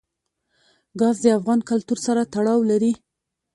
ګاز د افغان کلتور سره تړاو لري.